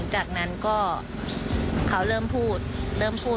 หรือก็เริ่มพูด